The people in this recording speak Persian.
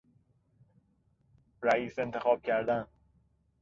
رئیس انتخاب کردن